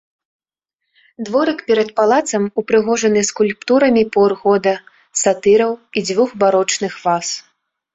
Дворык перад палацам упрыгожаны скульптурамі пор года, сатыраў і дзвюх барочных ваз.